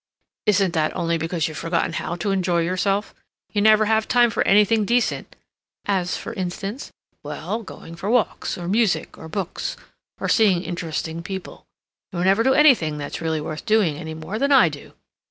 "Isn't that only because you've forgotten how to enjoy yourself? You never have time for anything decent—" "As for instance?" "Well, going for walks, or music, or books, or seeing interesting people. You never do anything that's really worth doing any more than I do."